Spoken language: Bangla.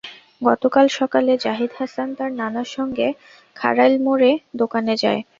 গতকাল সকালে জাহিদ হাসান তার নানার সঙ্গে খাড়ইল মোড়ে দোকানে যায়।